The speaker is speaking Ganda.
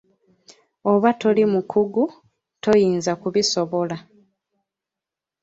Bw'oba toli mukugu toyinza kubisobola.